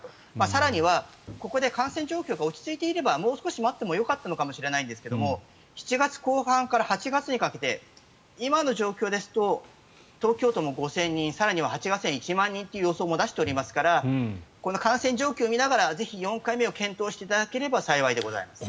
更には、ここで感染状況が落ち着いていればもう少し待ってもよかったのかもしれませんが７月後半から８月にかけて今の状況ですと東京都も５０００人更には８月には１万人という予想も出しておりますからこの感染状況を見ながらぜひ４回目を検討していただければ幸いでございます。